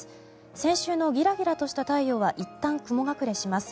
先週のギラギラとした太陽はいったん雲隠れします。